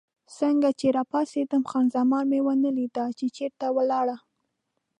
څنګه چې راپاڅېدم، خان زمان مې ونه لیدله، چې چېرې ولاړه.